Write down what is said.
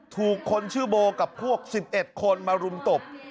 ถูกคนชื่อโบกับพวก๑๑คนมารุมตบ